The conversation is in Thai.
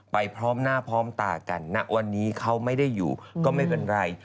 พร้อมหน้าพร้อมตากันณวันนี้เขาไม่ได้อยู่ก็ไม่เป็นไร